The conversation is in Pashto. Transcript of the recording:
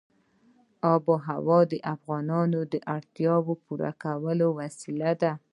آب وهوا د افغانانو د اړتیاوو د پوره کولو وسیله ده.